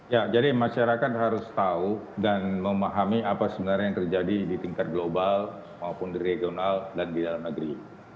ya jadi masyarakat harus tahu dan memahami apa sebenarnya yang terjadi di tingkat global maupun di regional dan di dalam negeri